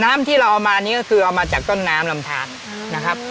ที่เราเอามานี่ก็คือเอามาจากต้นน้ำลำทานนะครับ